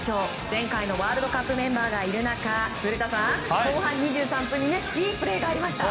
前回のワールドカップメンバーがいる中後半２３分にいいプレーがありました。